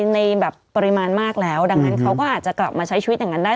ในแบบปริมาณมากแล้วดังนั้นเขาก็อาจจะกลับมาใช้ชีวิตอย่างนั้นได้